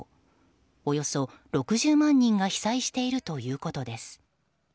およそ６０万人が被災しているということです。